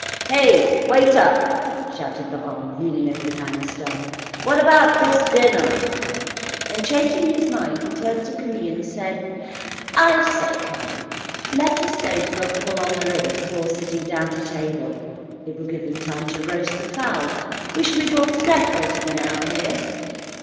"Heh! Waiter!" shouted Laurent, leaning over the banister, "what about this dinner?" Then, changing his mind, he turned to Camille and said: "I say, Camille, let us go for a pull on the river before sitting down to table. It will give them time to roast the fowl. We shall be bored to death waiting an hour here."